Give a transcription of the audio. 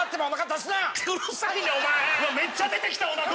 めっちゃ出てきたおなか！